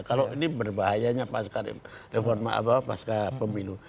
kalau ini berbahayanya pasca reformat apa pasca peminu